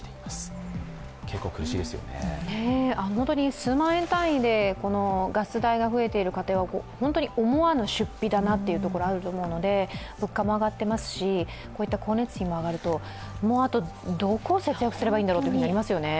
数万円単位でガス代が増えている家庭は思わぬ出費だなというところがあると思いますし、物価も上がっていますし、光熱費も上がるとあとどこを節約すればいいんだろうとなりますよね。